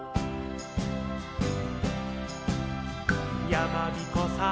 「やまびこさん」